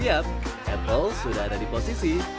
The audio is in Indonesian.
apple sudah ada di posisi